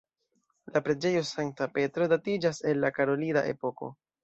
La preĝejo Sankta Petro datiĝas el la karolida epoko.